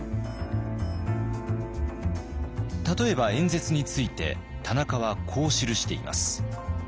例えば演説について田中はこう記しています。